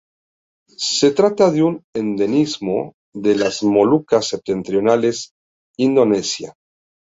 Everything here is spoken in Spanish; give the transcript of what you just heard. Se trata de un endemismo de las Molucas septentrionales, Indonesia.